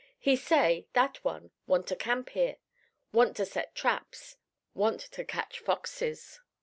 He say, that one, want to camp here; want to set traps; want to catch foxes."